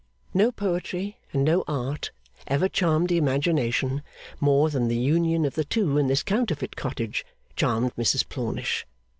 No Poetry and no Art ever charmed the imagination more than the union of the two in this counterfeit cottage charmed Mrs Plornish.